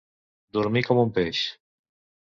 Dormir com un peix.